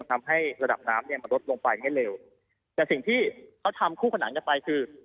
ทำให้ระดับน้ำเนี่ยมันลดลงไปไม่เร็วแต่สิ่งที่เขาทำคู่ขนานกันไปคือ